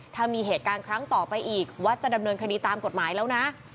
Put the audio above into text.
ถ้ามีเหตุการณ์ครั้งต่อไปอีกวัดจะดำเนินคดีตามกฎหมายแล้วนะ